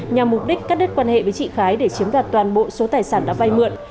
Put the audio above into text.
nhằm mục đích cắt đứt quan hệ với chị khái để chiếm đoạt toàn bộ số tài sản đã vay mượn